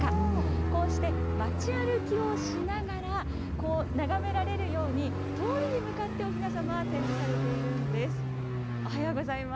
こうして、街歩きをしながら眺められるように、通りに向かっておひなさまが展示されているんです。